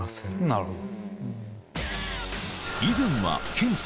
なるほど。